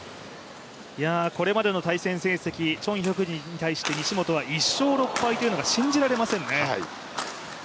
これまでの対戦成績チョン・ヒョクジンに対して西本は１勝６敗というのが信じられませんね。